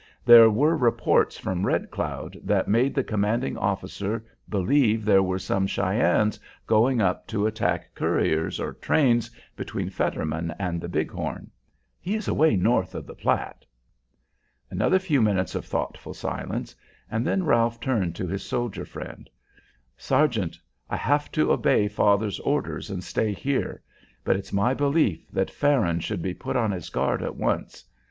There were reports from Red Cloud that made the commanding officer believe there were some Cheyennes going up to attack couriers or trains between Fetterman and the Big Horn. He is away north of the Platte." Another few minutes of thoughtful silence, then Ralph turned to his soldier friend, "Sergeant, I have to obey father's orders and stay here, but it's my belief that Farron should be put on his guard at once.